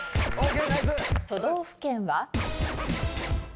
都道府県は？